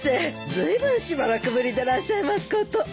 ずいぶんしばらくぶりでらっしゃいますこと。